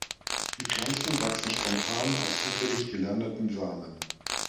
Die Pflanzen wachsen spontan aus zufällig gelandeten Samen.